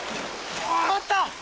あった！